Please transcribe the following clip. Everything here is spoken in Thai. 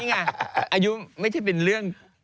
นี่ไงอายุไม่ใช่เป็นเรื่อง